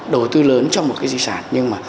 đầu tư lớn trong một cái di sản nhưng mà